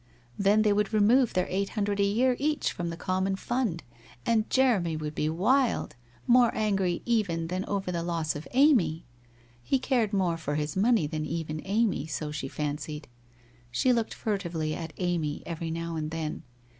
Then they would remove their eight hundred a year each from the common fund and Jeremy would be wild, more angry even than over the loss of Amy. He cared more for his money than even Amy, so she fancied. She looked furtively at Amy every now and then.